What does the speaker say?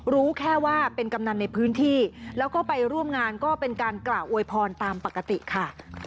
รู้แค่ว่าเป็นกำนันในพื้นที่แล้วก็ไปร่วมงานก็เป็นการกล่าวอวยพรตามปกติค่ะ